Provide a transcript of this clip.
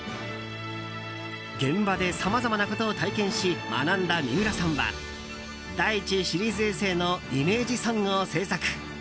現場でさまざまなことを体験し学んだ三浦さんは「だいち」シリーズ衛星のイメージソングを制作。